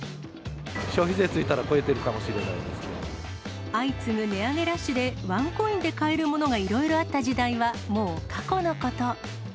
消費税ついたら超えてるかも相次ぐ値上げラッシュで、ワンコインで買えるものがいろいろあった時代は、もう過去のこと。